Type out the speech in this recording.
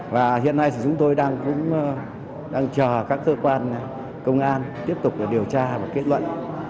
và hiện nay thì chúng tôi đang cũng đang chờ các cơ quan công an tiếp tục điều tra và kết luận